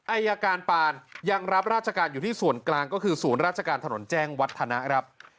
อายการปานยังรับราชการอยู่ที่ส่วนกลางก็คือศูนย์ราชการถนนแจ้งวัฒนะครับ